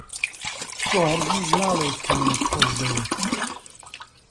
تۆ هەرگیز ناڵێیت کە منت خۆش دەوێت.